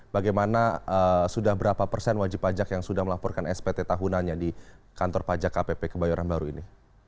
bagaimana sudah berapa persen wajib pajak yang sudah melaporkan spt tahunannya di kantor pajak kpp kebayoran baru ini